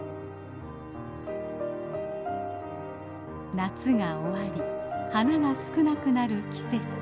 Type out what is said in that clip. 夏が終わり花が少なくなる季節。